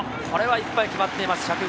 これはいっぱい、決まっています。